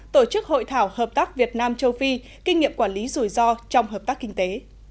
tổ chức hội thảo hợp tác việt nam châu phi kinh nghiệm quản lý rủi ro trong hợp tác kinh tế